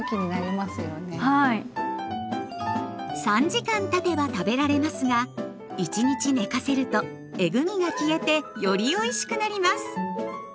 ３時間たてば食べられますが１日寝かせるとえぐみが消えてよりおいしくなります。